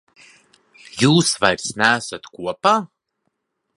Jūs vairs neesat kopā?